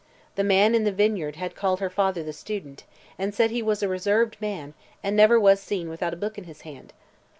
The man in the vineyard had called her father "the Student" and said he was a reserved man and never was seen without a book in his hand.